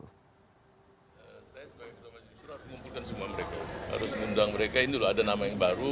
saya sebagai ketua majelis syuroh harus mengumpulkan semua mereka